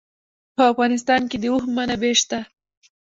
په افغانستان کې د اوښ منابع شته.